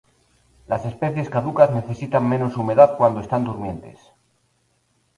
Las especies caducas necesitan menos humedad cuando están durmientes.